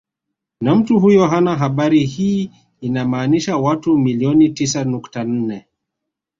Na mtu huyo hana habari hii inamaanisha watu milioni tisa nukta nne